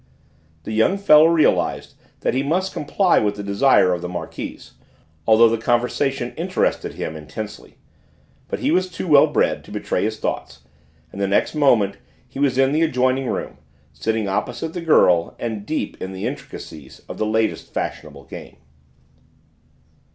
The young fellow realised that he must comply with the desire of the Marquise, although the conversation interested him intensely; but he was too well bred to betray his thoughts, and the next moment he was in the adjoining room, sitting opposite the girl, and deep in the intricacies of the latest fashionable game.